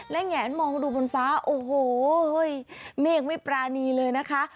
และแงนมองดูบนฟ้าโอ้โหเมฆไม่ปรานีเลยนะคะ